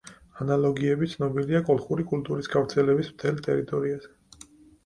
ანალოგიები ცნობილია კოლხური კულტურის გავრცელების მთელ ტერიტორიაზე.